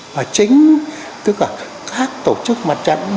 và chính tức là các tổ chức mặt trận